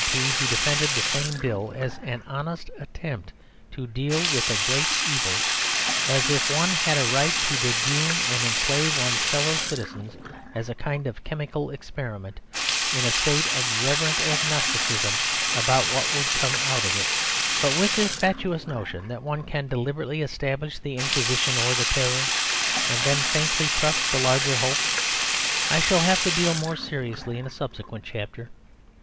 P. who defended the same Bill as "an honest attempt" to deal with a great evil: as if one had a right to dragoon and enslave one's fellow citizens as a kind of chemical experiment; in a state of reverent agnosticism about what would come of it. But with this fatuous notion that one can deliberately establish the Inquisition or the Terror, and then faintly trust the larger hope, I shall have to deal more seriously in a subsequent chapter.